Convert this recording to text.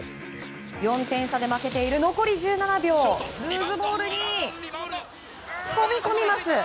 ４点差で負けている残り１７秒ルーズボールに飛び込みます。